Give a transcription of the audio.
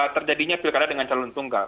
terjadinya pilkada dengan calon tunggal